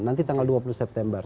nanti tanggal dua puluh september